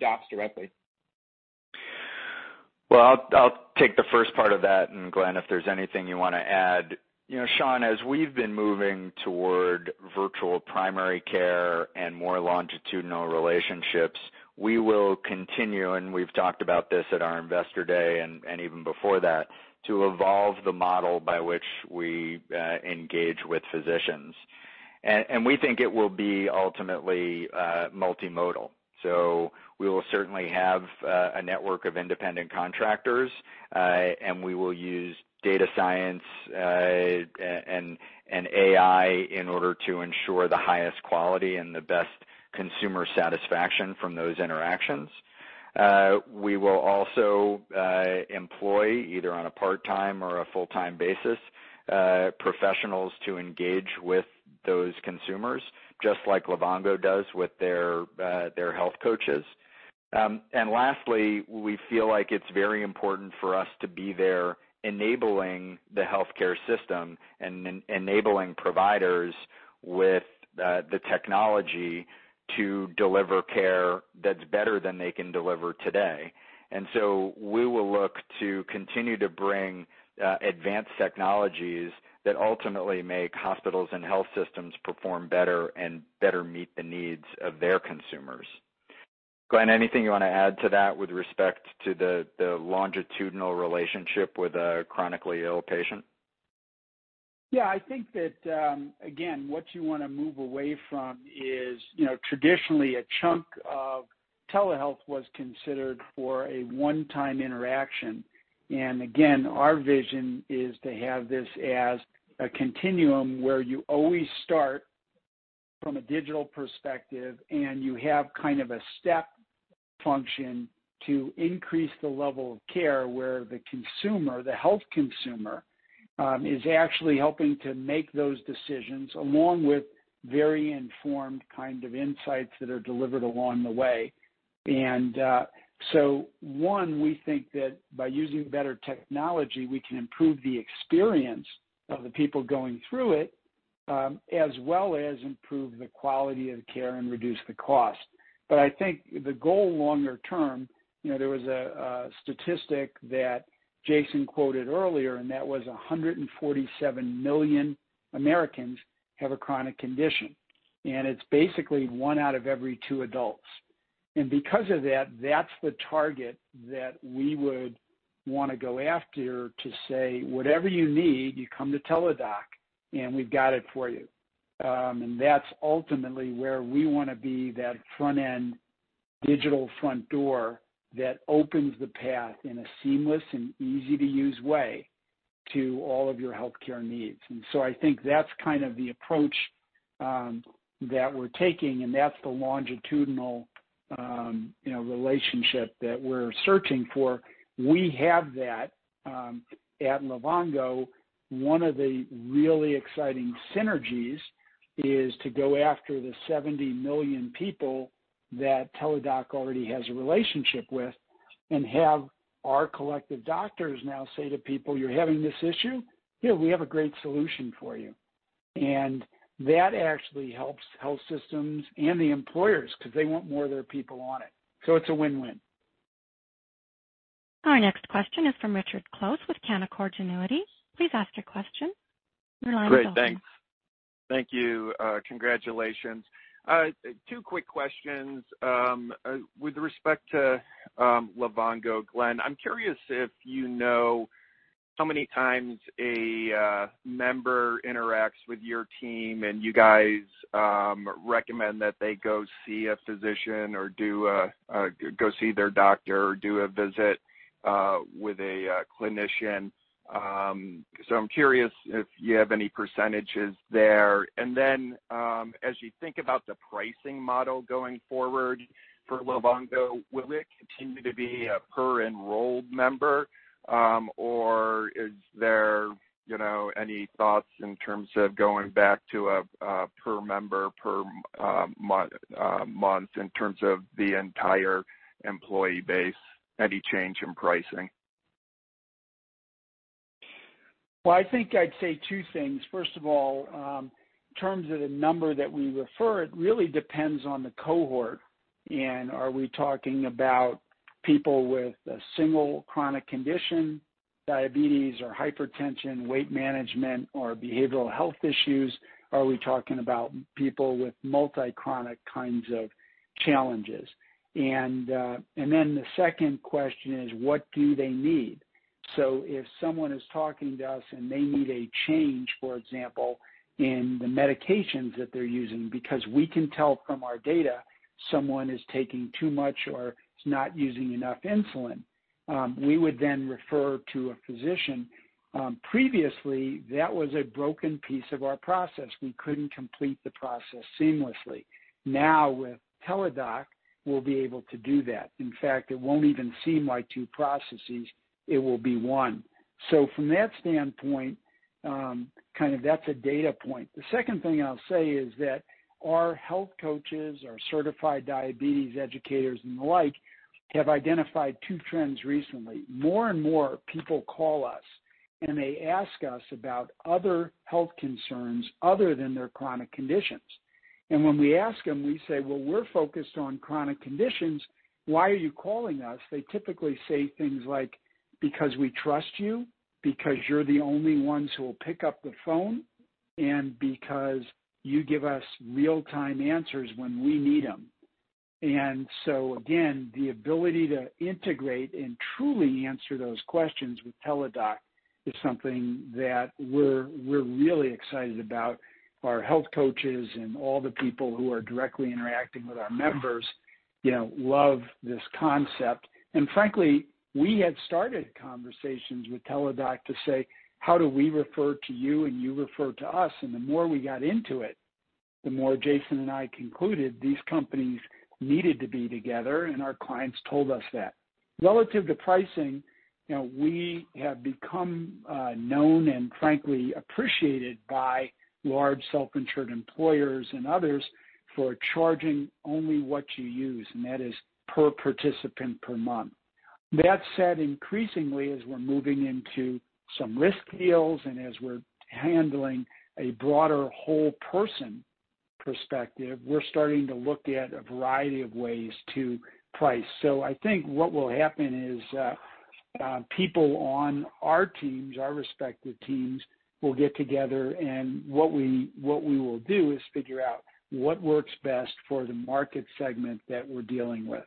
S10: docs directly?
S3: I'll take the first part of that, and Glen, if there's anything you want to add. Sean, as we've been moving toward virtual primary care and more longitudinal relationships, we will continue, and we've talked about this at our investor day and even before that, to evolve the model by which we engage with physicians. We think it will be ultimately multimodal. We will certainly have a network of independent contractors, and we will use data science and AI in order to ensure the highest quality and the best consumer satisfaction from those interactions. We will also employ, either on a part-time or a full-time basis, professionals to engage with those consumers, just like Livongo does with their health coaches. Lastly, we feel like it's very important for us to be there enabling the healthcare system and enabling providers with the technology to deliver care that's better than they can deliver today. We will look to continue to bring advanced technologies that ultimately make hospitals and health systems perform better and better meet the needs of their consumers. Glen, anything you want to add to that with respect to the longitudinal relationship with a chronically ill patient?
S4: Yeah, I think that, again, what you want to move away from is traditionally a chunk of telehealth was considered for a one-time interaction. Again, our vision is to have this as a continuum where you always start from a digital perspective, and you have kind of a step function to increase the level of care where the consumer, the health consumer, is actually helping to make those decisions along with very informed kind of insights that are delivered along the way. One, we think that by using better technology, we can improve the experience of the people going through it, as well as improve the quality of care and reduce the cost. I think the goal longer term, there was a statistic that Jason quoted earlier, and that was 147 million Americans have a chronic condition. It's basically one out of every two adults. Because of that's the target that we would want to go after to say, "Whatever you need, you come to Teladoc, and we've got it for you." That's ultimately where we want to be that front end, digital front door that opens the path in a seamless and easy-to-use way to all of your healthcare needs. I think that's kind of the approach that we're taking, and that's the longitudinal relationship that we're searching for. We have that at Livongo. One of the really exciting synergies is to go after the 70 million people that Teladoc already has a relationship with and have our collective doctors now say to people, "You're having this issue? Here, we have a great solution for you." That actually helps health systems and the employers because they want more of their people on it. It's a win-win.
S1: Our next question is from Richard Close with Canaccord Genuity. Please ask your question. Your line is open.
S11: Great, thanks. Thank you. Congratulations. Two quick questions. With respect to Livongo, Glen, I'm curious if you know how many times a member interacts with your team and you guys recommend that they go see a physician or go see their doctor or do a visit with a clinician. I'm curious if you have any percentages there. As you think about the pricing model going forward for Livongo, will it continue to be a per enrolled member? Or is there any thoughts in terms of going back to a per member per month in terms of the entire employee base, any change in pricing?
S4: I think I'd say two things. First of all, in terms of the number that we refer, it really depends on the cohort and are we talking about people with a single chronic condition, diabetes or hypertension, weight management, or behavioral health issues? Are we talking about people with multi-chronic kinds of challenges? The second question is what do they need? If someone is talking to us and they need a change, for example, in the medications that they're using, because we can tell from our data someone is taking too much or is not using enough insulin, we would then refer to a physician. Previously, that was a broken piece of our process. We couldn't complete the process seamlessly. With Teladoc, we'll be able to do that. In fact, it won't even seem like two processes, it will be one. From that standpoint, kind of that's a data point. The second thing I'll say is that our health coaches, our certified diabetes educators and the like, have identified two trends recently. More and more people call us, and they ask us about other health concerns other than their chronic conditions. When we ask them, we say, "Well, we're focused on chronic conditions. Why are you calling us?" They typically say things like, "Because we trust you, because you're the only ones who will pick up the phone, and because you give us real-time answers when we need them." Again, the ability to integrate and truly answer those questions with Teladoc is something that we're really excited about. Our health coaches and all the people who are directly interacting with our members love this concept. Frankly, we had started conversations with Teladoc to say, "How do we refer to you and you refer to us?" The more we got into it, the more Jason and I concluded these companies needed to be together, and our clients told us that. Relative to pricing, we have become known and frankly appreciated by large self-insured employers and others for charging only what you use, and that is per participant per month. That said, increasingly, as we're moving into some risk deals and as we're handling a broader whole-person perspective, we're starting to look at a variety of ways to price. I think what will happen is, people on our teams, our respective teams, will get together and what we will do is figure out what works best for the market segment that we're dealing with.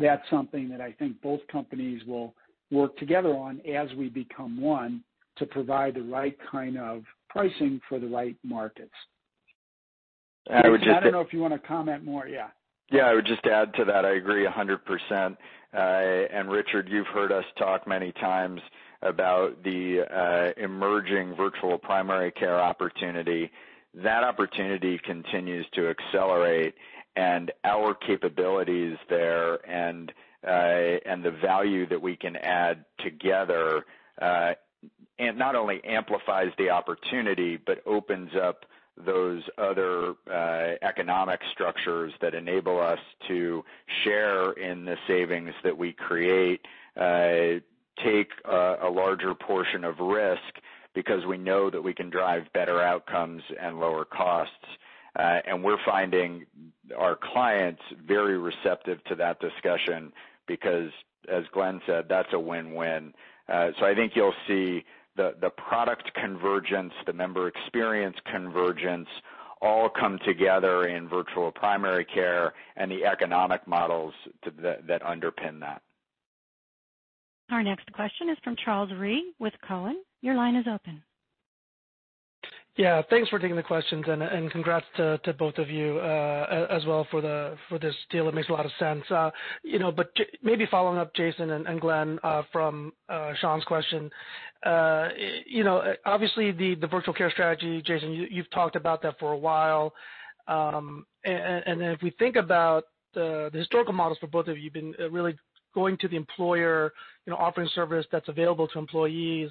S4: That's something that I think both companies will work together on as we become one to provide the right kind of pricing for the right markets.
S3: I would just-
S4: I don't know if you want to comment more. Yeah.
S3: I would just add to that, I agree 100%. Richard, you've heard us talk many times about the emerging virtual primary care opportunity. That opportunity continues to accelerate and our capabilities there and the value that we can add together, not only amplifies the opportunity but opens up those other economic structures that enable us to share in the savings that we create, take a larger portion of risk because we know that we can drive better outcomes and lower costs. We're finding our clients very receptive to that discussion because, as Glen said, that's a win-win. I think you'll see the product convergence, the member experience convergence, all come together in virtual primary care and the economic models that underpin that.
S1: Our next question is from Charles Rhyee with Cowen. Your line is open.
S12: Yeah, thanks for taking the questions, and congrats to both of you, as well for this deal. It makes a lot of sense. Maybe following up Jason and Glen, from Sean's question. Obviously the virtual care strategy, Jason, you've talked about that for a while. If we think about the historical models for both of you, been really going to the employer, offering service that's available to employees.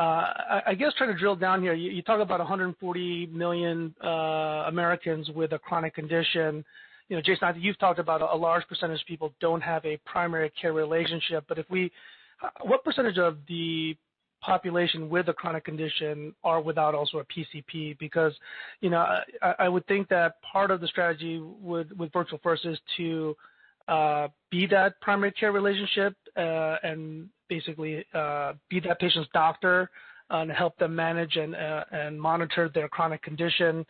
S12: I guess trying to drill down here, you talk about 140 million Americans with a chronic condition. Jason, you've talked about a large percentage of people don't have a primary care relationship, but what percentage of the population with a chronic condition are without also a PCP? I would think that part of the strategy with Virtual First is to be that primary care relationship, and basically, be that patient's doctor and help them manage and monitor their chronic condition.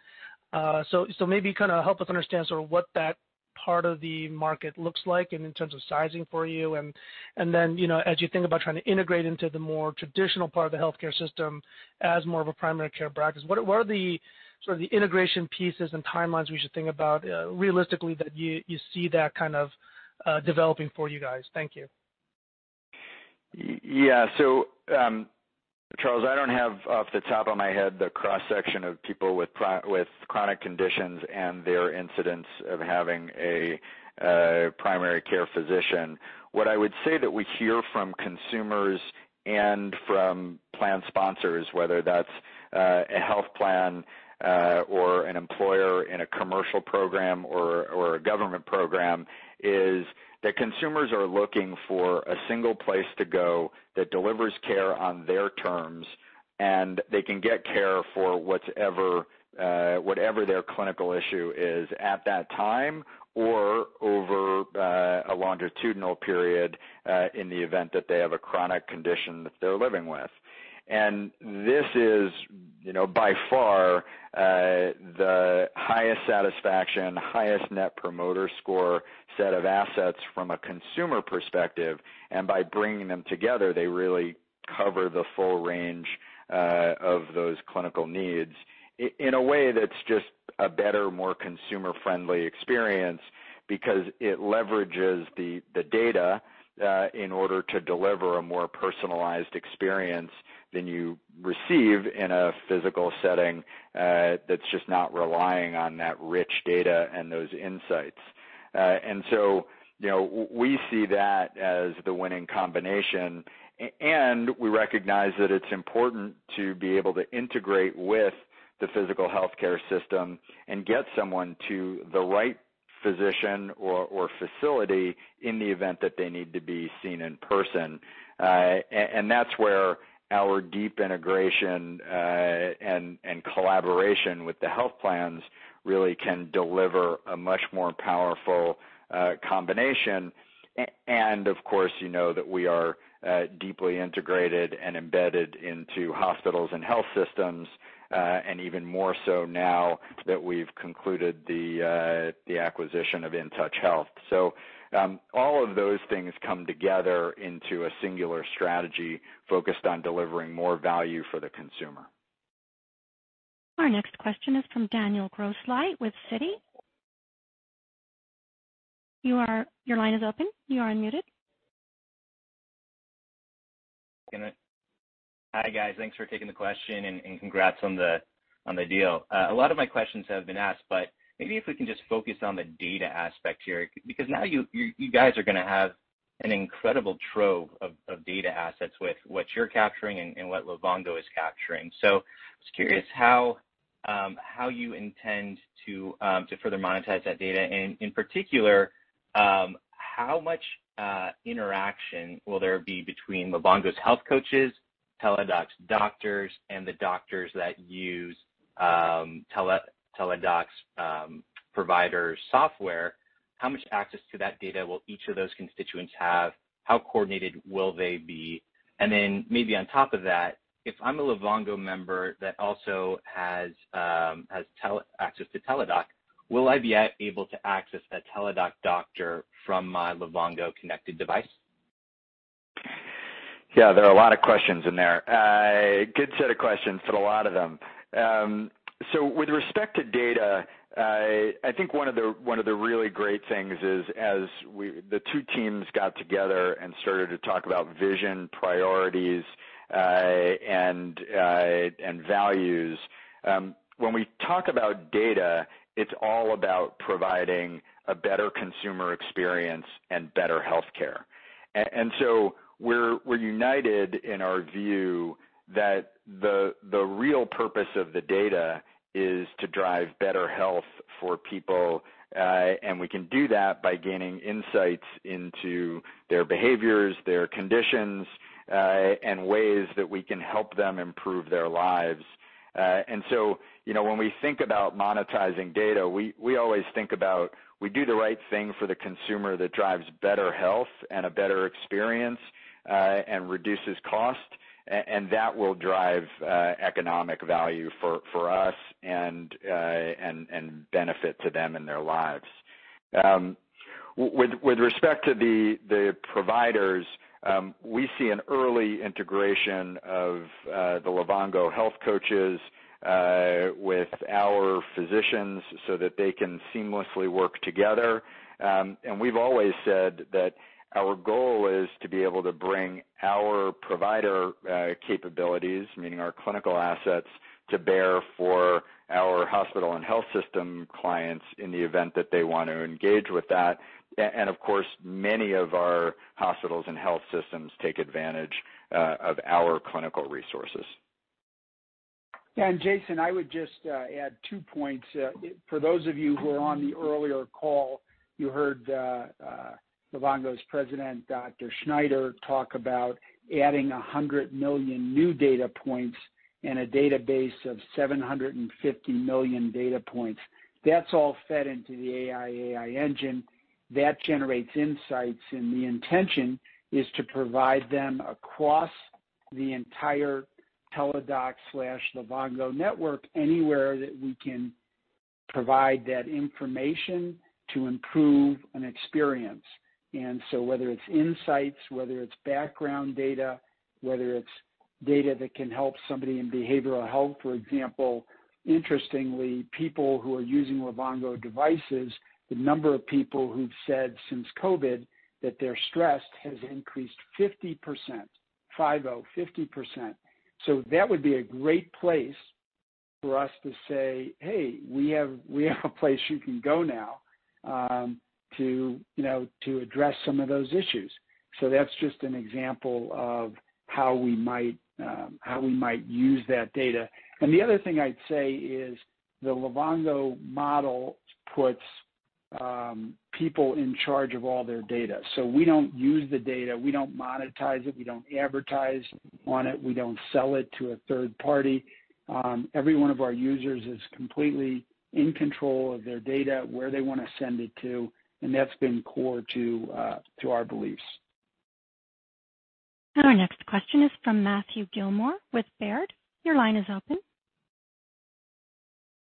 S12: Maybe help us understand what that part of the market looks like and in terms of sizing for you and then, as you think about trying to integrate into the more traditional part of the healthcare system as more of a primary care practice, what are the integration pieces and timelines we should think about, realistically, that you see that developing for you guys? Thank you.
S3: Charles Rhyee, I don't have off the top of my head the cross-section of people with chronic conditions and their incidence of having a primary care physician. What I would say that we hear from consumers and from plan sponsors, whether that's a health plan, or an employer in a commercial program or a government program, is that consumers are looking for a single place to go that delivers care on their terms, and they can get care for whatever their clinical issue is at that time or over a longitudinal period, in the event that they have a chronic condition that they're living with. This is by far, the highest satisfaction, highest net promoter score set of assets from a consumer perspective. By bringing them together, they really cover the full range of those clinical needs in a way that's just a better, more consumer-friendly experience because it leverages the data, in order to deliver a more personalized experience than you receive in a physical setting that's just not relying on that rich data and those insights. We see that as the winning combination, and we recognize that it's important to be able to integrate with the physical healthcare system and get someone to the right physician or facility in the event that they need to be seen in person. That's where our deep integration and collaboration with the health plans really can deliver a much more powerful combination. Of course, you know that we are deeply integrated and embedded into hospitals and health systems, and even more so now that we've concluded the acquisition of InTouch Health. All of those things come together into a singular strategy focused on delivering more value for the consumer.
S1: Our next question is from Daniel Grosslight with Citi. Your line is open. You are unmuted.
S13: Hi, guys. Thanks for taking the question and congrats on the deal. A lot of my questions have been asked. Maybe if we can just focus on the data aspect here, because now you guys are going to have an incredible trove of data assets with what you're capturing and what Livongo is capturing. I was curious how you intend to further monetize that data, and in particular, how much interaction will there be between Livongo's health coaches, Teladoc's doctors, and the doctors that use Teladoc's provider software? How much access to that data will each of those constituents have? How coordinated will they be? Then maybe on top of that, if I'm a Livongo member that also has access to Teladoc, will I be able to access a Teladoc doctor from my Livongo connected device?
S3: Yeah, there are a lot of questions in there. A good set of questions, but a lot of them. With respect to data, I think one of the really great things is as the two teams got together and started to talk about vision, priorities, and values. When we talk about data, it's all about providing a better consumer experience and better healthcare. We're united in our view that the real purpose of the data is to drive better health for people, and we can do that by gaining insights into their behaviors, their conditions, and ways that we can help them improve their lives. When we think about monetizing data, we always think about we do the right thing for the consumer that drives better health and a better experience, and reduces cost, and that will drive economic value for us and benefit to them in their lives. With respect to the providers, we see an early integration of the Livongo health coaches, with our physicians so that they can seamlessly work together. We've always said that our goal is to be able to bring our provider capabilities, meaning our clinical assets, to bear for our hospital and health system clients in the event that they want to engage with that. Of course, many of our hospitals and health systems take advantage of our clinical resources.
S4: Jason, I would just add two points. For those of you who were on the earlier call, you heard Livongo's President, Jennifer Schneider, talk about adding 100 million new data points in a database of 750 million data points. That's all fed into the AI engine. That generates insights, and the intention is to provide them across the entire Teladoc/Livongo network anywhere that we can provide that information to improve an experience. Whether it's insights, whether it's background data, whether it's data that can help somebody in behavioral health, for example. Interestingly, people who are using Livongo devices, the number of people who've said since COVID that they're stressed has increased 50%. That would be a great place for us to say, "Hey, we have a place you can go now to address some of those issues." That's just an example of how we might use that data. The other thing I'd say is the Livongo model puts people in charge of all their data. We don't use the data, we don't monetize it, we don't advertise on it, we don't sell it to a third party. Every one of our users is completely in control of their data, where they want to send it to, and that's been core to our beliefs.
S1: Our next question is from Matthew Gillmor with Baird. Your line is open.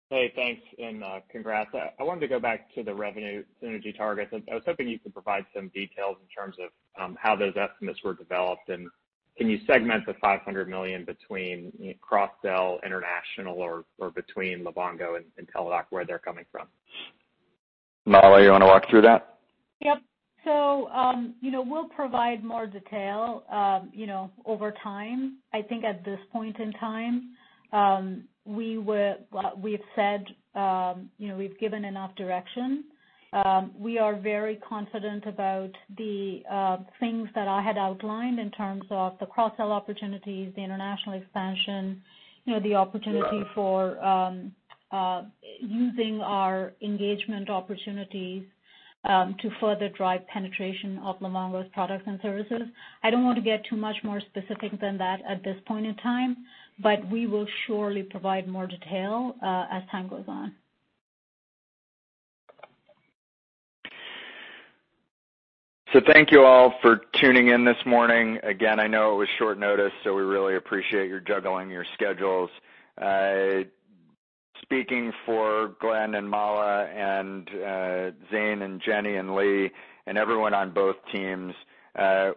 S14: Hey, thanks and congrats. I wanted to go back to the revenue synergy targets. I was hoping you could provide some details in terms of how those estimates were developed. Can you segment the $500 million between cross-sell, international or between Livongo and Teladoc, where they're coming from?
S3: Mala, you want to walk through that?
S5: Yep. We'll provide more detail over time. I think at this point in time, we've said we've given enough direction. We are very confident about the things that I had outlined in terms of the cross-sell opportunities, the international expansion, the opportunity for using our engagement opportunities to further drive penetration of Livongo's products and services. I don't want to get too much more specific than that at this point in time, but we will surely provide more detail as time goes on.
S3: Thank you all for tuning in this morning. I know it was short notice, we really appreciate your juggling your schedules. Speaking for Glen and Mala and Zane and Jenny and Lee and everyone on both teams,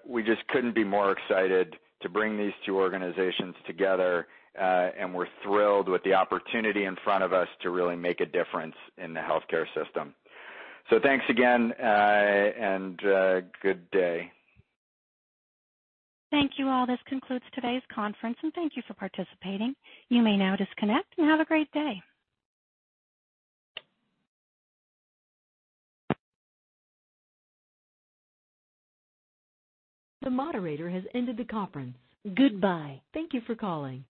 S3: we just couldn't be more excited to bring these two organizations together, and we're thrilled with the opportunity in front of us to really make a difference in the healthcare system. Thanks again, and good day.
S1: Thank you all. This concludes today's conference, and thank you for participating. You may now disconnect, and have a great day. The moderator has ended the conference. Goodbye. Thank you for calling.